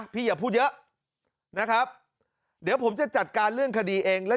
อย่าพูดเยอะนะครับเดี๋ยวผมจะจัดการเรื่องคดีเองแล้ว